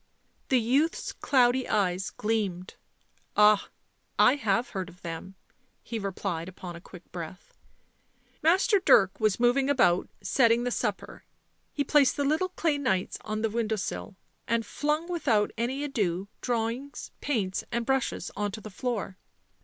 The youth's cloudy eyes gleamed. 11 Ah, I have heard of them," he replied upon a quick breath. Master Dirk was moving about setting the supper. He placed the little clay knights on the window sill, and flung without any ado drawings, paints and brushes on to the floor.